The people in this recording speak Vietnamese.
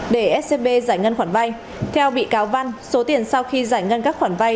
để scb giải ngân khoản vay theo bị cáo văn số tiền sau khi giải ngân các khoản vay